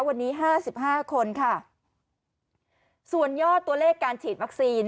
วันนี้ห้าสิบห้าคนค่ะส่วนยอดตัวเลขการฉีดวัคซีน